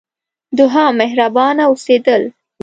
دوهم: مهربانه اوسیدل.